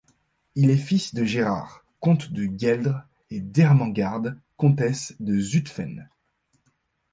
Il est fils de Gérard, comte de Gueldre, et d'Ermengarde, comtesse de Zutphen.